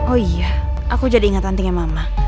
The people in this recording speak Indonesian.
oh iya aku jadi ingat nantinya mama